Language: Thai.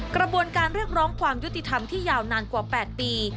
กระบวนการเรียกร้องความยุติธรรมที่ยาวนานกว่า๘ปี